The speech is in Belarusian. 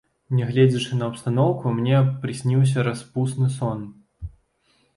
Нягледзячы на абстаноўку, мне прысніўся распусны сон.